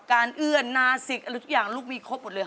การเอือนนาศิกทุกอย่างลูกมีครบหมดเลย